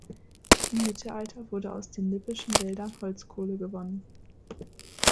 Im Mittelalter wurde aus den lippischen Wäldern Holzkohle gewonnen.